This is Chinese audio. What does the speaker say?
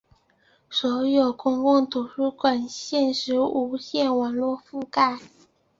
所有公共图书馆实现无线网络覆盖。